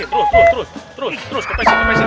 terus terus kepesin kepesin